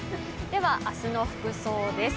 明日の服装です。